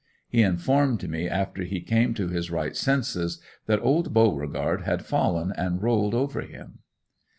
He informed me after he came to his right senses, that old Beauregard had fallen and rolled over him.